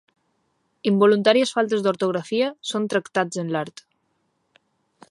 Involuntàries faltes d'ortografia són tractats en l'art.